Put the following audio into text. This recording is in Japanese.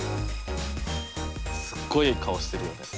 すっごいいい顔してるよね。